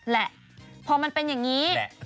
แหละพอมันเป็นอย่างนี้